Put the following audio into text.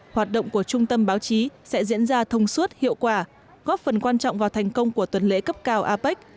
hoạt động của trung tâm báo chí sẽ diễn ra thông suốt hiệu quả góp phần quan trọng vào thành công của tuần lễ cấp cao apec